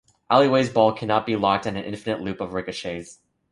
"Alleyway"s ball cannot be locked in an infinite loop of ricochets.